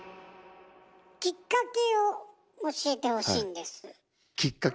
きっかけを教えてほしいんです。きっかけ？